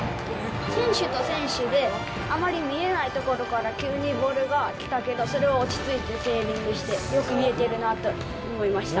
選手と選手で、あまり見えない所から急にボールが来たけど、それを落ち着いてセービングして、よく見えてるなと思いました。